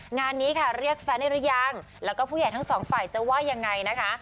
งานนี้ค่ะเรียกแฟนได้หรือยังแล้วก็ผู้ใหญ่ทั้งสองฝ่ายจะว่ายังไงนะคะ